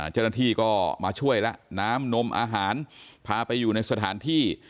เจ้าหน้าที่ก็มาช่วยแล้วน้ำนมอาหารพาไปอยู่ในสถานที่